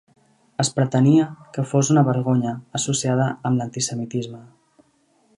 Es pretenia que fos una vergonya associada amb l'antisemitisme.